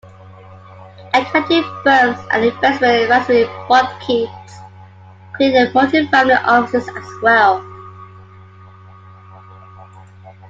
Accounting firms and investment advisory boutiques created multi-family offices as well.